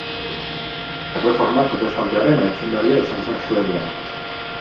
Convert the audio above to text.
Erreforma Protestantearen aitzindaria izan zen Suedian.